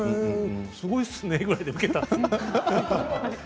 すごいっすねぐらいで受けたんですね。